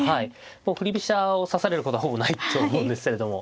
もう振り飛車を指されることはほぼないと思うんですけれども。